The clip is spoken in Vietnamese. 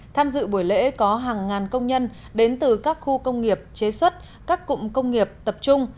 tham dự buổi lễ có hàng ngàn công nhân đến từ các khu công nghiệp chế xuất các cụm công nghiệp tập trung